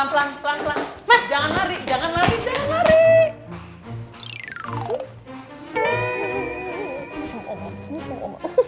papa berangkat kerja ya nak